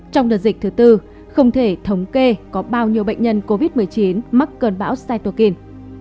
trong đợt dịch thứ tư không thể thống kê có bao nhiêu bệnh nhân covid một mươi chín mắc cơn bão saitukin